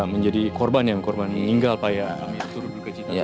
menjadi korban yang korban meninggal pak ya